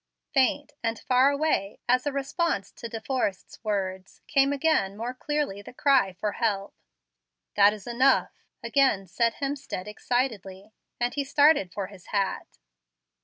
Faint and far away, as a response to De Forrest's words, came again more clearly the cry for help. "That is enough," again said Hemstead, excitedly; and he started for his hat.